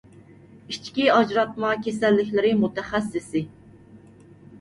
ئىچكى ئاجراتما كېسەللىكلىرى مۇتەخەسسىسى